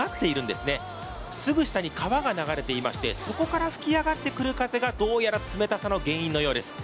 すぐ下に川が流れていまして、そこから吹き上がってくる風がどうやら冷たさの原因のようです。